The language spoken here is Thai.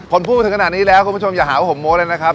ผมพูดถึงขนาดนี้แล้วคุณผู้ชมอย่าหาว่าผมโม้เลยนะครับ